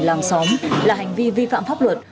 làng xóm là hành vi vi phạm pháp luật